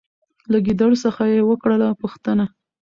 له ګیدړ څخه یې وکړله پوښتنه